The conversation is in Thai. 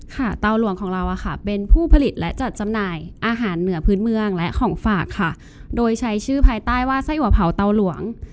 เตาหลวงของเราอะค่ะเป็นผู้ผลิตและจัดจำหน่ายอาหารเหนือพื้นเมืองและของฝากค่ะโดยใช้ชื่อภายใต้ว่าไส้อัวเผาเตาหลวง